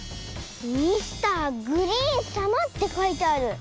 「ミスターグリーンさま」ってかいてある！